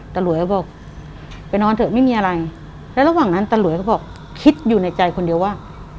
หลวยก็บอกไปนอนเถอะไม่มีอะไรแล้วระหว่างนั้นตาหลวยก็บอกคิดอยู่ในใจคนเดียวว่า